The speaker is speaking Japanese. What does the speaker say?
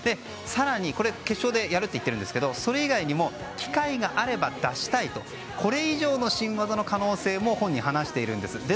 更に決勝でやると言っているんですがそれ以外にも機会があれば出したいとこれ以上の新技の可能性も本人、話しているんです。